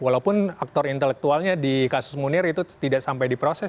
walaupun aktor intelektualnya di kasus munir itu tidak sampai di proses